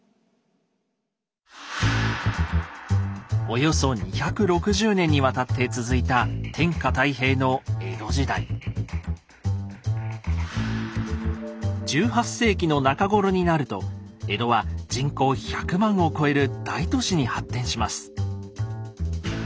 およそ２６０年にわたって続いた１８世紀の中頃になると江戸は人口１００万を超える大都市に発展します。